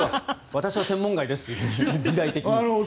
私は専門外ですと、時代的に。